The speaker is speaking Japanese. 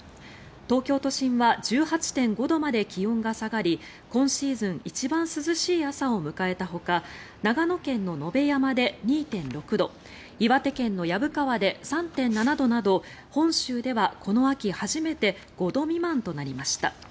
東京都心は１８．５度まで気温が下がり今シーズン一番涼しい朝を迎えたほか長野県の野辺山で２．６度岩手県の薮川で３．７度など本州ではこの秋初めて５度未満となりました。